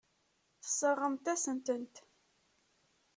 Tesseṛɣemt-asent-tent.